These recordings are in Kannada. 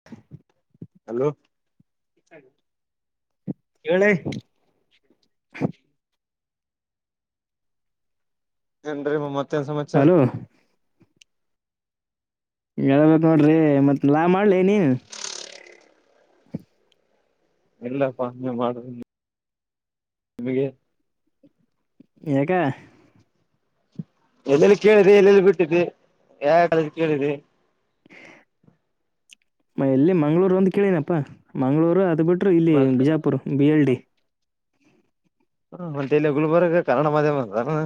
[inaudible] ಹಲೋ ಹೇಳಿ ಹೇಳಿ ಏನ್ರೀ ಮ ಮತ್ತೇನ್ ಸಮಾಚಾರ ಹಲೋ ಹೇಳ್ಬೇಕು ನೋಡ್ರಿ ಮತ್ ನಾ ಮಾಡ್ಲಿ ನೀ ಇಲ್ಲ ಪ ನೀವ್ ಮಾಡ್ರಿ ನಿಮಗೆ ಯಾಕೆ ಎಲ್ಲೆಲ್ಲಿ ಕೇಳಿದಿ ಎಲ್ಲೆಲ್ಲಿ ಬಿಟ್ಟಿದಿ ಯಾವ್ಯಾವ [unintelligible] ಕೇಳಿದಿ ಮ ಎಲ್ಲಿ ಮಂಗಳೂರು ಒಂದು ಕೇಳಿನಪ್ಪಾ ಮಂಗಳೂರು ಅದು ಬಿಟ್ರು ಇಲ್ಲಿ ಮತ್ತೆ ಬಿಜಾಪುರ್ ಬಿ ಎಲ್ ಡಿ ಹ ಮತ್ತಲ್ಲಿ ಗುಲ್ಬರ್ಗ ಕನ್ನಡ ಮಾಧ್ಯಮ ಅಲ್ಲೇನೊ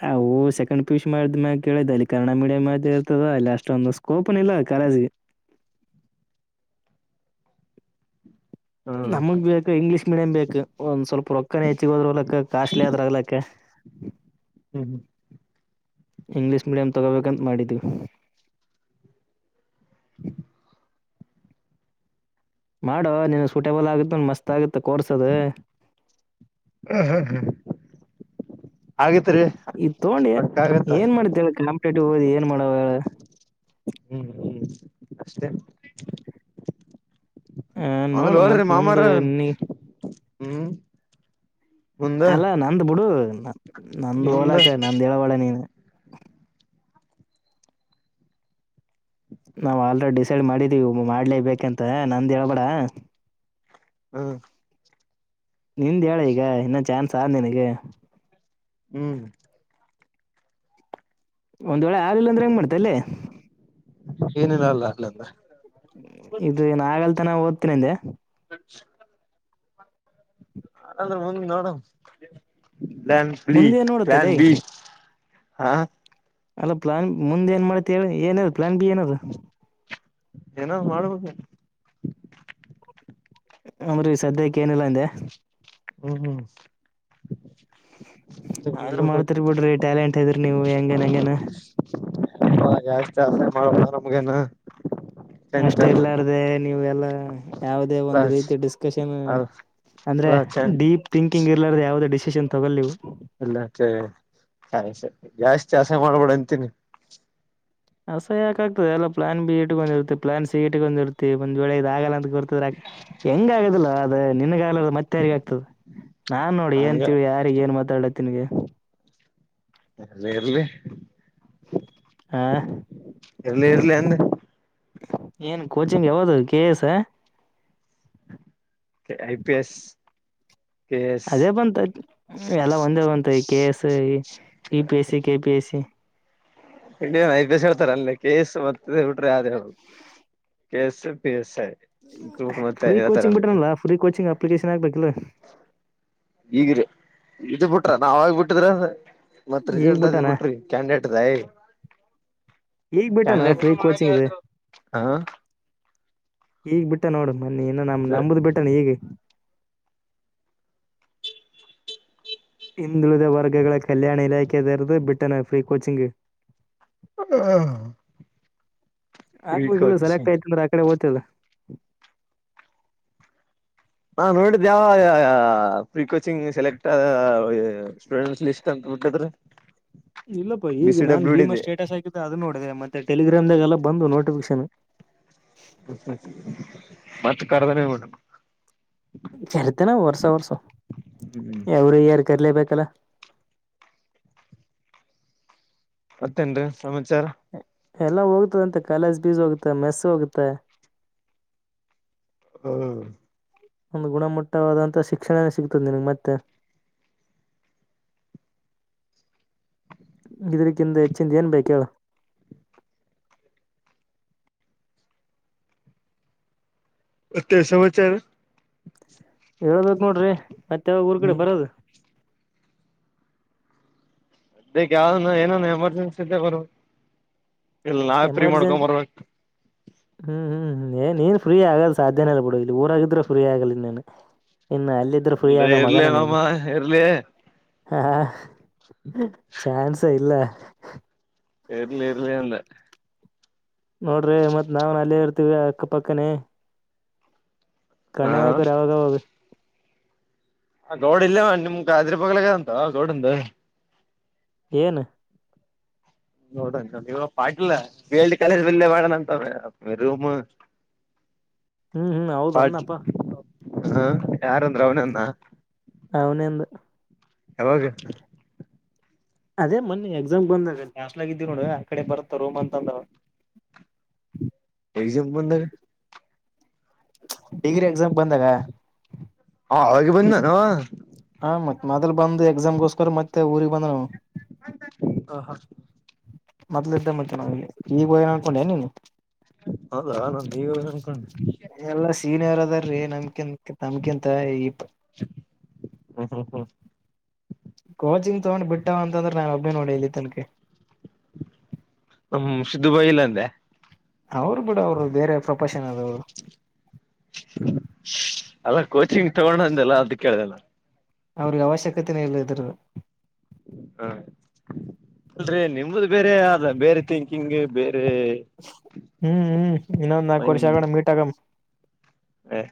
ನಾವು ಸೆಕೆಂಡ್ ಪಿಯುಸಿ ಮಾಡಿದ್ ಮ್ಯಾಕ್ ಕೇಳಿದು ಅಲ್ಲಿ ಕನ್ನಡ ಮೀಡಿಯಂ ಅದು ಇರತ್ತದ ಅಸ್ಟ್ ಒಂದ್ ಓಪನ್ ಇಲ್ಲ ಕಾಲೇಜ್ಗೆ ಹ್ಮ್ ನಮಗ್ ಬೇಕು ಇಂಗ್ಲೀಷ್ ಮೀಡಿಯಂ ಬೇಕು. ಒಂದ್ ಸ್ವಲ್ಪ ರೊಕ್ಕನೆ ಹೆಚ್ಚಿಗ ಹೋದ್ರಗ್ಲಕ್ಕ ಕಾಸ್ಟ್ಲಿ ಆದ್ರ ಆಗ್ಲಕ್ಕ. ಹ್ಮ್ ಹ್ಮ್ ಇಂಗ್ಲೀಷ್ ಮೀಡಿಯಂ ತಗೋಬೇಕಂತ ಮಾಡಿದ್ವಿ. ಹ ಮಾಡೋ ನೀನ್ ಸೂಟೇಬಲ್ ಆಗತ್ತೆ ಮಸ್ತ್ ಆಗುತ್ತೆ ಕೋರ್ಸ್ ಅದೂ. ಹ್ಮ್ ಹ್ಮ್ ಹ್ಮ್ ಆಗೇತ್ರಿ ಪಕ್ಕ ಆಗುತ್ತ. ನಿದ್ದೊ ನಮ್ಮ ಟಿಟಿಓ ಏನ್ ಮಾಡಾವ. ಹ್ಮ್ ಹ್ಮ್ ಅಷ್ಟೇ ಅದನ್ನ ನೋಡ್ ನೋಡ್ರೀ ಮತ್ ಮುಂದ್ ಮಾಮಾರೆ ನೀ ಹ್ಮ್ ಮುಂದ ಅಲ್ಲಾ ನಂದ ಬುಡು ನಂದ ಮುಂದ ಹೋಲಕ ನಂದು ಹೇಳಬ್ಯಾಡ ನೀನು. ನಾವ್ ಆಲ್ರೆಡಿ ಡಿಸೈಡ್ ಮಾಡಿದೀವಿ ಮಾಡ್ಲೇ ಬೇಕಂತ ನಂದ ಹೇಳ್ಬೇಡ. ಹ್ಮ ನಿಂದ್ ಹೇಳ ಈಗ ಇನ್ನ ಚಾನ್ಸ್ ಆದ ನಿನಗೆ ಹ್ಮ್ ಒಂದ್ ವೇಳೆ ಆಗಲ್ಲಿಲ್ಲ ಅಂದ್ರೆ ಏನ್ ಮಾಡ್ತತಿಯಾ ಅಲ್ಲೇ. ಏನಿಲ್ಲ ಅಲ್ಲ ಅಲ್ಲ ಅಲ್ಲ ಇದು ಏನಾಗಲ್ ತಾನೆ ಓದ್ತಿಂದೆ. ಅಂದ್ರೆ ಮುಂದ ನೋಡು ಪ್ಲಾನ್ ಬಿ ಮುಂದೆ ಏನ್ ಪ್ಲಾನ್ ನೋಡತ್ತಲ್ಲೇ ಬಿ ಹಾ ಅಲ್ಲ ಪ್ಲಾನ್ ಮುಂದೆ ಏನ್ ಮಾಡತ್ತೀ ಹೇಳ ಏನಾರ ಪ್ಲಾನ್ ಬಿ ಏನಾದು. ಏನ್ ಮಾಡಬೇಕು ಬರೀ ಸದ್ಯಕ್ಕೆ ಏನಿಲ್ಲಾ ಅಂದೆ. ಹ್ಮ್ ಆದ್ರೂ ನೋಡ್ಬೇಕು ಮಾಡ್ತಿರಿ ಬಿಡ್ರಿ ಟ್ಯಾಲೆಂಟ್ ಇದ್ರಿ ನೀವು ಹೆಂಗನ್ ಹೆಂಗೇನ- ಆ ಜಾಸ್ತಿ ಅದ್ರೆ ಮಾಡಬೋದು ನಮಗೇನು. ಅಷ್ಟ ಇರ್ಲ್ಲಾರ್ದೆ ನೀವೆ ಎಲ್ಲಾ ಯಾವುದೇ ಒಂದು ರೀತಿ ಡಿಸ್ಕಷನ್ ಅಂದ್ರೆ ಡೀಪ್ ಥಿಂಕಿಂಗ್ ಇರಾರ್ರೆ ಯಾವುದೇ ಡಿಸಿಷನ್ ತಗೋ ನೀವು. ಇಲ್ಲ ಸರಿ ಸರಿ ಜಾಸ್ತಿ ಆಸೆ ಮಾಡ್ಬೇಡ ಅಂತೀನಿ. ಹಸೆ ಯಕಾಗಗ್ತದೆಲ್ಲ ಪ್ಲಾನ್ ಬಿ ಇಟ್ಟಕಂದ್ ಇರ್ತ್ತ ಪ್ಲಾನ್ ಸಿಗಿಟ್ಟಕಂದಿರ್ತಿ ಒಂದ್ ವೇಳೆ ಇದ ಆಗಲ್ಲ ಅಂತ್ ಹೆಂಗ ಆಗೊದಿಲ್ಲ ಅದ ನಿನಗೆ ಆಗ್ಲ ಮತ್ತೆ ಯಾರಿಗ ಆಗ್ತದ ನಾನ್ ನೋಡಿ ಹಂಗ ಏನ್ಂತಿ ಯಾರ್ ಏನ್ ಮಾತಾಡ ತಿನ್ಗೆ ಇರರ್ಲ್ಲಿ ಹ ಅಂದೆ ಏನ್ ಕೋಚಿಂಗ್ ಯಾವ್ದೋ ಕೆ ಎ ಎಸ್ ಹ I P S K S ಅದೇ ಬಂತ ಎಲ್ಲ ಒಂದೇ ಬಂತ K A S E P S C, K P S C. ಇನ್ ಐ ಪಿ ಎಸ್ ಹೇಳ್ತಾರ್ ಅಲ್ಲಿ ಕೆ ಎಂ ಎಸ್ ಮತ್ತ ಬಿಟ್ರೆ ಯಾವ್ದೂ ಹೇಳು. K S IPS free coaching ಬಿಟನಲ್ಲ ಫ್ರೀ ಕೋಚಿಂಗ್ ಅಪ್ಲಿಕೇಶನ್ ಹಾಕ್ಬೇಕಲ್ ಈಗಿರಿ ಇದೂ ಬಿಟ್ರೆ ನಾವ ಆಗ ಬಿಟ್ಟಿದ್ರ ಮತ್ ಈಗ್ ರಿಸಲ್ಟ್ ಇದ್ ಬಿಟ್ಟಾನ ಬಿಟ್ರಿ- ಕ್ಯಾಂಡೇಟದೈ ಈಗ್ ಬಿಟ್ಟಾನ ಕ್ಯಾಂಡೇಟ್ ಫ್ರೀ ಕೋಚಿಂಗ್ ಇದೆ ಹಾ ಈಗ್ ಬಿಟ್ಟೆ ನೋಡು ಮನೀ ಇನ್ನ ನಮ್ ನಮ್ ನಂಬ್ದ್ ಬಿಟ್ಟಾನ ಈಗ. ಹಿಂದುಳಿದ ವರ್ಗಗಳ ಕಲ್ಯಾಣ ಇಲಾಖೆದೌರ್ದು ಬಿಟ್ಟನ ಫ್ರೀ ಕೋಚಿಂಗ್. ಹಾ. ಹಾಕ್ಬೇಕ ಇಲ್ಲ ಸೆಲೆಕ್ಟ್ ಆಯ್ತ್ ಅಂದ್ರ ಅಕಡೆ ಓತಿಲ್ಲ. ಹಾ ನೋಡಿದ್ಯಾ ಅವ್ವ್ ಫ್ರೀ ಕೋಚಿಂಗ್ ಸೆಲೆಕ್ಟ್ ಆದ. ಸ್ಟೂಡೆಂಸ್ ಲಿಸ್ಟ ಅಂತ ಬಿಟ್ಟಿದ್ರ. ಇಲ್ಲಪ್ಪಾ ಬಿ ಈಗ ಸಿ ನಾನ್ ಡಬ್ಲ್ಯೂ ಭೀಮಾ ಡಿದೆ ಸ್ಟೇಟಸ್ ಹಾಕಿದ್ದ ಅದು ನೋಡಿದೆೆ ಮತ್ತೆ ಟೆಲಿಗ್ರಾಮದಾಗೆಲ್ಲ ಬಂದ್ವು ನೋಟಿಫಿಕೇಶನ್. ಮತ್ತ ಕರದ್ರ. [unintelligible] ಕರೀತನವಾ ವರ್ಷ ವರ್ಷ ಹ್ಮ್ ಎವ್ರಿ ಇಯರ್ ಕರ್ಲೇಬೇಕಲ್ಲ. ಮತ್ತೇನ್ ರೀ ಸಮಾಚಾರ. ಎಲ್ಲ ಹೋಗ್ತದ ಅಂತೆ ಕಾಲೇಜ್ ಪೀಜ ಹೋಗುತ್ತೆ ಮೆಸ್ಸ ಹೋಗುತ್ತೆ. ಹ್ಮ್. ಒಂದು ಗುಣಮಟ್ಟವಾದಂತಹ ಶಿಕ್ಷಣನೇ ಸಿಗ್ತದ ನಿನಗ್ ಮತ್ತೆ. ಇದ್ರಕಿಂದ ಹೆಚ್ಚಿಂದ ಏನ್ ಬೇಕ ಹೇಳ. ಮತ್ತೆ ಸಮವಚಾರ. ಹೇಳ್ಬೇಕ್ ನೋಡ್ರಿ ಮತ್ತ ಯಾವಾಗ ಊರ್ ಕಡೆ ಹ್ಮ್ ಬರೋದ. ಬೇಕ್ ಯಾವ್ದನ ಏನನಾ ಎಮರ್ಜೆನ್ಸಿ ಇದ್ದರ ಬರಬಕ್ಕ. ಎಮರ್ಜೆನ್ಸಿ. ಬರ್ಬೇಕ ಹ್ಮ್ ಹ್ಮ್ ಹ್ಮ್ ಏ ನೀನ್ ಫ್ರೀ ಆಗೋದ ಸಾಧ್ಯನೆ ಇಲ್ಲ ಬಿಡ ಇಲ್ಲಿ ಊರಾಗಿದ್ರ ಫ್ರೀ ಆಗಲ್ಲ ಇನ್ನೆನು. ಇನ್ನ ಅಲ್ಲಿ ಇರ್ಲಿರಿ ಇರ್ಲಿ ಮಾಮ ಇರ್ಲಿ. ಹಾ ಚಾನ್ಸೆ ಇಲ್ಲ. ಇರ್ಲಿ ಇರ್ಲಿ ಅಂದೇ. ನೋಡ್ರಿ ಮತ್ ನಾವ್ನ ಅಲ್ಲೇ ಇರ್ತೀವಿ ಅಕ್ಕಪಕ್ಕನೇ. ಹಾ ಕಣ್ಣಗ್ ಹಾಕೋರಿ ಅವಾಗ ಅವಾಗ. ಆ ಗೌಡ್ ಇಲ್ಲೇವ ನಿಮ್ಗ ಇದ್ರ ಬಗಲಗ ಆದ ಅಂತ ಗೌಡಂದ. ಏನ. ನೋಡಂತಿ ಅಂತ ಪಾಟೀಲ್ ಬಿಲ್ಡಿ ಕಾಲೇಜ್ ಬಲ್ಲೆ ಮಾಡ್ಯಾನ್ ಅಂತ ರೂಮ್. ಹ್ಮ್ ಹ್ಮ್ ಹೌದ್ ಅನ್ನಪ್ಪಾ ಹ್ಮ್ ಯಾರಂದ್ರ ಅವ್ನೆ ಅದ್ನ. [unintelligible] ಯಾವಾಗ. ಅದೇ ಮನ್ನಿ ಎಕ್ಸಾಮ್ ಬಂದಗ ಹಾಸ್ಟೆಲ್ಗ ಇದ್ದೀವಿ ನೋಡ ಅಕಡೆ ಬರತ್ತವ್ ರೂಮ್ ಅಂತದ. [inaudible] ಎಕ್ಸಾಮ್ ಬಂದಗ. ಡಿಗ್ರಿ ಎಕ್ಸಾಮ್ ಬಂದಾಗ. ಅವ ಅವಾಗೆ ಬಂದ್ನ್ವ ಅವ. ಹಾ ಮತ್ ಮದಲ್ ಬಂದ ಎಕ್ಸಾಮ್ಗೋಸ್ಕರ ಮತ್ತೆ ಊರಿಗ್ ಬಂದನ್ ಅವ. ಹ ಹಾ. ಮೊದ್ಲ್ ಇದ್ದ ಮತ್ತೆನ ಈಗ ಹೋಗ್ಯಾನ್ ಅನ್ಕೊಂಡಿ ಏನ್ ನೀನ್. ಹೌದಾ ನಂದ ಈಗ ಹೋಗ್ಯಾನ್ ಅನ್ಕೊಂಡಿನಿ. ಎಲ್ಲಾ ಸೀನಿಯರ್ ಅದಾರ್ ರೀ ನಮ್ಕಿಂತ ತಮ್ಕಿಂತ ಈಪ್ ಹ್ಮ ಹ್ಮ ಹ್ಮ್. ಕೋಚಿಂಗ್ ತಗೊಂಡ್ ಬಿಟ್ಟಾವ ಅಂದ್ರ ನಾನ್ ಒಬ್ಬೇನೇ ನೋಡ್ ಇಲ್ಲಿ. ತನಗೆ ಹ್ಮ್ ನಮ್ ಸಿದ್ದುಗ ಹೋಗಿಲ್ಲ ಅಂದ್ಯ. ಅವ್ರು ಬಿಡ ಅವ್ರು ಬೇರೆ ಪ್ರೊಫೆಷನ್ ಅದು [inaudible] ಅಲ್ಲ ಕೋಚಿಂಗ್ ತಗೊಂಡ ಅಂದಲ್ಲ ಅದು ಕೇಳದೆ ನಾ ಅವ್ರಿಗೆ ಅವಶ್ಯಕತೆ ಇಲ್ಲ ಇದರದ ಹಾ [inaudible] ಅಲ್ರಿ ನಿಮ್ಮ್ದು ಬೇರೆ ಅದ ಬೇರೆ ಥಿಂಕಿಂಗ್ ಬೇರೆ [inaudible] ಹ್ಮ್ ಹ್ಮ್ ಇನ್ನೊಂದ್ ನಾಕ ವರ್ಷ ಆಗೋಣ ಮೀಟ್ ಆಗಮ. ಏ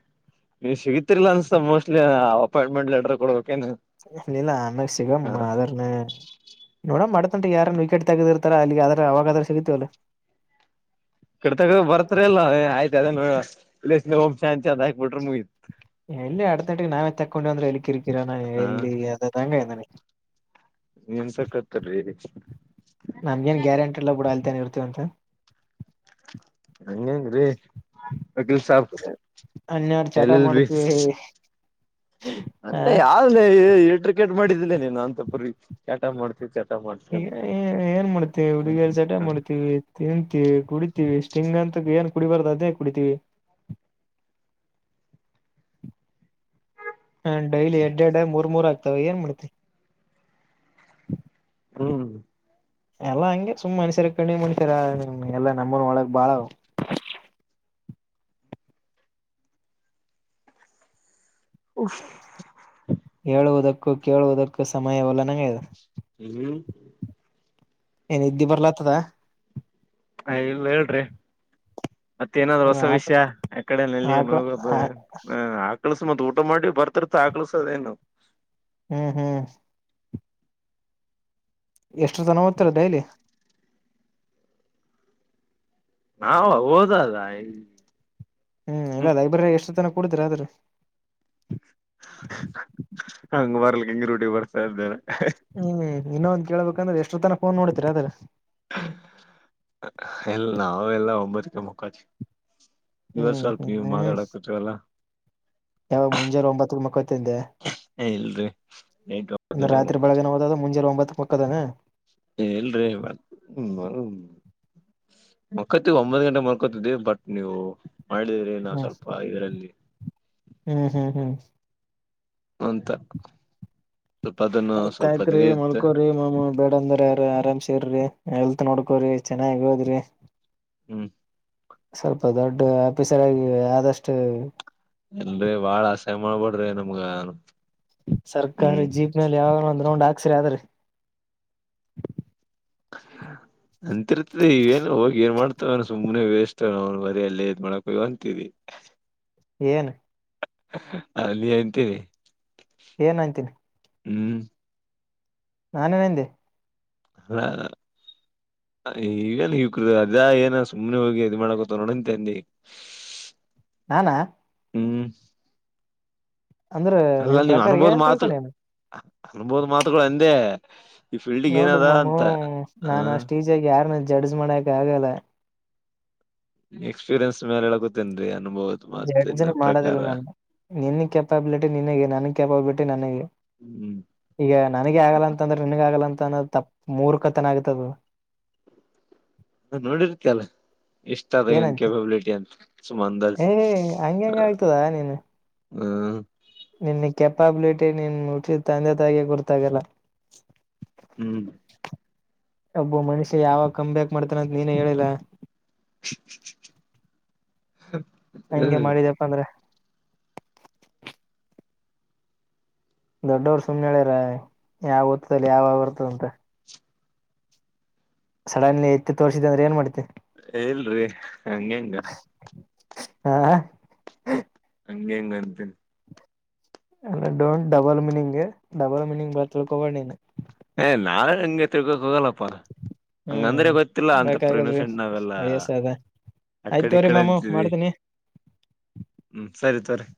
ನೀವ್ ಸಿಗತಿರ್ಲಾ ಅನ್ಸತ ಮೋಸ್ಟ್ಲಿ ಅಪಾಯಿಂಟ್ಮೆಂಟ್ ಲೆಟರ ಕೊಡಬೇಕ ಏನ್ [unintelligible] ಸಿಗಂ ಅರನ ನೋಡ ಮಾಡತಂಟ ಯಾರನ್ ವಿಕಟ್ ತಗಿತಾರ ಅಲ್ಲಿ ಆದ್ರ ಅವಾಗಾದ್ರೆ ಸಿಗತಿವಲ್ಲ ಇಕ್ಕಡ ತಗದರ ಬರ್ತರಿ ಅಲ್ಲ ಆಯ್ತ ಅದನ ಇಲ್ಲೆ ಓಂ ಶಾಂತಿ ಅಂತ ಹಾಕ್ ಬಿಟ್ರ ಮುಗಿತ. ಎಲ್ಲಿ ಅಡತನಾಟ ನಾವೇ ತಕೊಂಡು ಅಂದ್ರೆ ಎಲ್ಲಿ ಕಿರಿಕಿರಾನ ಹ ಎಲ್ಲಿ ಅದದಂಗ ಇದಾನೆ ನೀನ್ಸಕತ್ತರಿ ನಮಗೇನ್ ಗ್ಯಾರಂಟಿಲ್ಲ ಬಿಡ ಅಲ್ದೇನ್ ಇರ್ತೀವಂತ.. ಹಂಗ ಹೆಂಗ್ರೀ [inaudible] ವಕೀಲ್ ಸಾಬ್. ಹನ್ಯಾಡ ಚಟ ಎಲ್ ಎಲ್ ಮಾಡತಿವಿ... ಎ ಯಾವ ಎಟ್ರಕೆಟ್ ಮಾಡಿದಿಲ್ಲ ನೀನ ಅಂತ ಪರಿ ಚಟ ಮಾಡ್ತಿ ಚಟ ಮಾಡ್ತಿ ಎ ಅಂತ ಏನ್ ಮಾಡ್ತಿವಿ ಹುಡುಗಿಯರ್ ಚಟ ಮಾಡ್ತೀವಿ. ತಿಂತೀವಿ ಕುಡಿತೀವಿ ಸ್ಟಿಂಗ್ ಅಂತ ಏನ್ ಕುಡಿಬಾರ್ದು ಅದೇ ಕುಡಿತೀವಿ. [inaudible] [inaudible] ಹ ಡೈಲಿ ಯಟ್ಟ ಟೈಮ ಮೂರ ಮೂರ ಆಗ್ತಾವ ಏನ್ ಮಾಡ್ತಿ ಹ್ಮ್ ಎಲ್ಲಾ ಹಂಗೆ ಸುಮ್ಮ ಮನ್ಸ್ಯ ಕಣ್ಮೆ ಮಾಡ್ಸರ ಎಲ್ಲ ನಮ್ಮನ್ ಒಳಗ್ ಬಾಳ ಅವ [inaudible] ಹೇಳುವುದಕ್ಕೂ ಕೇಳುವುದಕ್ಕೂ ಸಮಯವಲ್ಲ ಅನ್ನಂಗ ಆಗೆದ. ಹ್ಮ್ ಏ ಇದ್ದಿ ಬರ್ಲಾತ್ತದ... ಹ ಇಲ್ಲ ಹೇಳ್ರಿ. ಮತ್ತೇಏನಾದ್ರು ಹೊಸ ಆಕ ವಿಷಯ ಯಕಡೆ ನಲ್ಲಿಗನ ಆಕಳ ಹೋಗೋದು [inaudible] ಹ ಆಕಳಸ ಮತ್ತ ಊಟ ಮಾಡಿ ಬರ್ತಿರ್ತದ ಆಕಸದೇ ಏನ ಹ್ಮ್ ಹ್ಮ್ ಎಷ್ಟ ಜನ ಓದ್ತರಿ ಡೈಲಿ ನಾವು ಓದದ ಐ ಹ್ಮ್ ಇಲ್ಲ ಲೈಬ್ರರರಿ ಎಷ್ಟುತನ ಕುಡತೀರ ಆದರ [unintelligible] ಹಂಗ ಬರ್ಲಿಕ್ಕೆ ಹಿಂಗ ರೂಟಿ ಬರ್ತಾ ಇದ್ದೇನ ಹ್ಮ್ ಇನ್ನೊಂದ ಕೇಳ್ಬೇಕಂದ್ರ ಎಷ್ಟೊ ತನ ಫೋನ್ ನೋಡತಿರಿ ಅದ್ರ [unintelligible] ಇಲ್ಲ ನಾವ ಎಲ್ಲ ಒಬ್ಬತಕ ಮುಕ್ಕೋತಿವಿ. ಇವತ್ತು ಹ್ಮ್ ಸ್ವಲ್ಪ ನೀವು ಹ್ಮ್ ಮಾತಾಡಾಕತ್ತಿರಲ್ಲ ಯಾವಾಗ ಮುಂಜಲೆ ಒಂಬತ್ತಕ್ಕ ಮಕ್ಕತ್ತಿಂದೆ? ಏ ಇಲ್ರಿ ಎಂಟು [inaudible] ಒಂಬತ್ತು ಅಂದ್ರ ಗಂಟೆಗೆ ರಾತ್ರಿ ಬೆಳಗ್ಗಿನ ಹೋದದ ಮುಂಜಾನೆ ಒಂಬತ್ತಕ್ಕ ಮಕ್ಕೋದನ ಎಲ್ರೀ ಇವತ್ತ ಬರು ಹ್ಮ್ ಮಕ್ಕೋತೀವಿ ಒಂಬತ್ ಗಂಟೆಗೆ ಮಲಕೋತಿದ್ದವಿ ಬಟ್ ನೀವು ಮಾಡಿದ್ರಿ ನಾ ಹ್ಮ್ ಸ್ವಲ್ಪ ಇದರಲ್ಲಿ ಹ್ಮ್ ಹ್ಮ್ ಹ್ಮ್ ಅಂತ ಸ್ವಲ್ಪ ಅದನ್ನು ಆಯ್ತ ಸ್ವಲ್ಪ ಆಯ್ತ್ರ ರಿ ಇದ ಇತ್ತ ಮಲ್ಕೋರಿ ಮಾಮ ಬೇಡ ಅಂದ್ರ ಆರಾಮ್ಸಿರ್ರಿ ಎಲ್ತ ನೋಡ್ಕೋರಿ ಚೆನ್ನಾಗಿ ಓದ್ರಿ ಹ್ಮ್ ಸ್ವಲ್ಪ ದೊಡ್ಡ ಆಫೀಸರ್ ಆಗಿ ಆದಷ್ಟು ಎಲ್ರರಿ ಬಾಳ ಆಸೆ ಮಾಡ್ಬಡ್ರಿ ನಮಗ ಸರ್ಕಾರಿ ಜೀಪ್ನಲ್ಲಿ ಯಾವಾಗ ಒಂದ್ ರೌಂಡ್ ಹಾಕ್ಸಿರಿ ಆದ್ರೀ ಹಾ ಅಂತಿರ್ತದೆ ಈವೇನು ಹೋಗಿ ಏನ್ ಮಾಡ್ತವ ಸುಮ್ಮನೆ ವೇಸ್ಟ್ ಅವ್ನು ಬರಿ ಅಲ್ಲೇ ಇದ್ ಮಾಡಕ ಹೋಗ ಅಂತಿ ಏನು ಅಲ್ಲಿ ಎಂತಿ ಏನ್ ಅಂತಿನಿ. ಹ್ಮ್ ನಾನೇನ್ ಅಂದೆ ಹ ಈವಗನ್ ಹ ಕ್ರ ಅದ ಏನ ಸುಮನೆ ಹೋಗಿ ಇದ್ ಮಾಡಕೊತ ನೋಡಂತ ಅಂದಿ. ನಾನ ಹ್ಮ್ ಅಂದ್ರ ಅಲ್ಲ ನಿನ್ ನೀವ್ ಪ್ರಕಾರ ಅನುಭೋದ ಏನ್ ಮಾತು ತಿಳ್ಕೊಂಡೇನ ಅನುಭೋದ ಮಾತುಗಳು ಅಂದೆ. ಈ ಫೀಲ್ಡಿಗ್ ನೋಡು ಏನದ ಮಾಮು ಅಂತ ಹ ನಾನ್ ಅಷ್ಟ ಯಾರನ್ನ ಜಡ್ಜ್ ಮಾಡಕ್ ಆಗಲ್ಲ‌. ಎಕ್ಪೀರಿಯನ್ಸ್ ಮೇಲೆ ಎಳ್ಕತೇನ್ರಿ ಅನ್ಬಹುದು. ಎರಡು ಜನ ಮಾಡೋದಿಲ್ಲ ನಾನು ನಿನ್ನ ಕೆಪಬಿಲಿಟಿ ನಿನಗೆ ನನ್ನ ಕೆಪಬಿಲಿಟಿ ನನಗೆ ಹ್ಮ್ ಈಗ ನನಗೆ ಆಗಲ್ಲ ಅಂದ್ರೆ ನಿನಗ ಆಗಲ್ಲ ಅಂತ ಅಂದ್ರೆ ತಪ್ಪ್ ಮೂರ್ಖತನ ಆಗುತ್ತೆ ಬ್ರೋ. ಹ ನೋಡಿರ್ತಿಲ್ಲ ಎಷ್ಟ ಅಂದೇ ಇವನ್ ಏನಂತೆ ಕೆಪಬಿಲಿಟಿ ಅಂತ ಸುಮಂದ್ ಏ ಹಂಗ ಹೆಂಗ ಆಗ್ತದ ನೀನ್ ಹ್ಮ್ ನಿನ್ನ ಕೆಪಬಿಲಿಟಿ ನಿನ್ನ ಹುಟ್ಟಿಸಿದ ತಂದೆ ತಾಯಿಗೆ ಗೊತ್ತಾಗಲ್ಲ. ಹ್ಮ್ ಒಬ್ಬ ಮನುಷ್ಯ ಯಾವಾಗ ಕಮ್ ಬ್ಯಾಕ್ ಮಾಡ್ತಾರಂತೆ ನೀನೇ ಹೇಳಿಲ್ಲ. ಹ ಹಂಗೆ ಮಾಡಿದಪ್ಪ ಅಂದ್ರೆ. ದೊಡ್ಡವರು ಸುಮ್ನೆ ಹೇಳ್ಯಾರ ಯಾವ ಹುತ್ತದಲ್ಲಿ ಯಾವ ಹಾವು ಇರುತ್ತೆ ಅಂತ. ಸಡನ್ ಎತ್ತಿ ತೋರ್ಸಿದೆ ಅಂದ್ರೆ ಏನ್ ಮಾಡ್ತಿಯ. ಹೇಳ್ರೀ ಹಾಗೇನೂ ಇಲ್ಲ. ಹಾ ಹಂಗ ಹೆಂಗ ಅಂತನಿ ಅಲ್ಲ don't double meaning double meaning ನೀನ್ ತಿಲ್ಕೋಬೇಡ ನೀನು. ಹೆ ನಾನ್ ಹಂಗೆ ತಿರ್ಕೋ ಹೋಗಲ್ಲ ಪ್ಪ ಹ್ಮ್ ಹಂಗಂದ್ರೆ ಗೊತ್ತಿಲ್ಲ ಅಂತಪ ಬೇಕಾಗಲ್ರಿ ಇನಸೆಂಟ್ ನಾವೆಲ್ಲಾ. ವಯಸ್ಸ ಅದ ಅ ಆಯ್ತ್ ಕಡೆ ಈ ತೋರಿ ಕಡೆ ಮಾಮು ಅಂತವಿ ಮಾಡ್ತೀನಿ. ಹ್ಮ್ ಸರಿ ತರಿ